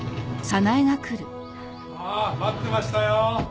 ああ待ってましたよ。